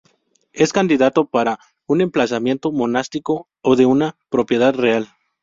Es candidato para un emplazamiento monástico o de una propiedad real.